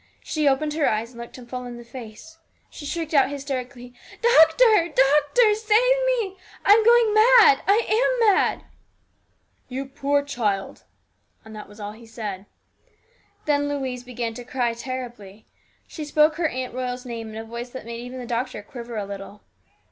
She opened her eyes and looked him full in the face ; she shrieked out hysterically, " Doctor ! Doctor ! Save me ! I'm going mad ! I am mad !"" You poor child !" And that was all he said. Then Louise began to cry terribly. She spoke her Aunt Royal's name in a voice that made even the doctor quiver a little.